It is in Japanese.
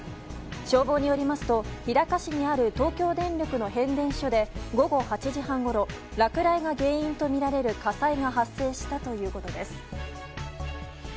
消防によりますと日高市にある東京電力の変電所で午後８時半ごろ落雷が原因とみられる火災が発生したということです。